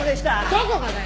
どこがだよ！